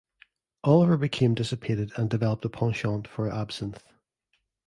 Oliver became dissipated and developed a penchant for absinthe.